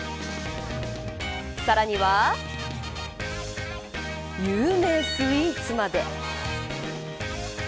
さらには有名スイーツまで。